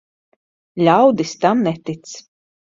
Ļaudis tam netic.